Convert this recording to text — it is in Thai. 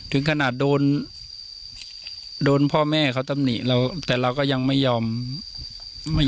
ถึงขนาดโดนพ่อแม่เขาต้องหนีแต่เราก็ยังไม่ยอมแพ้